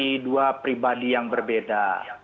jadi dua pribadi yang berbeda